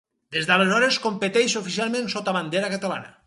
Des d'aleshores competeix oficialment sota bandera catalana.